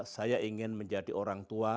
saya ingin menjadi orang tua